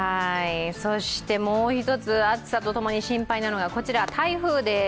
そしてもう一つ、暑さと共に心配なのがこちら、台風です。